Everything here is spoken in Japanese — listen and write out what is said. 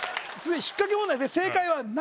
引っかけ問題ですね